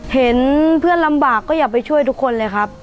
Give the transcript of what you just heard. เห็นเพื่อนลำบากก็อย่าไปช่วยทุกคนเลยครับ